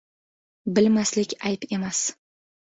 • Bilmaslik ayb emas.